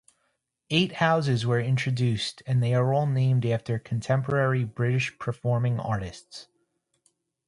Eight houses were introduced and they are all named after contemporary British performing artists.